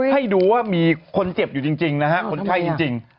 ให้ดูว่ามีคนเจ็บอยู่จริงนะฮะคนไข้จริง